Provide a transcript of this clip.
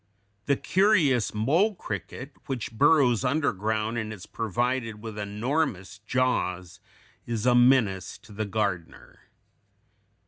The curious mole cricket, which burrows underground and is provided with enormous jaws, is a menace to the gardener.